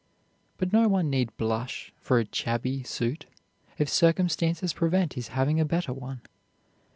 But no one need blush for a shabby suit, if circumstances prevent his having a better one.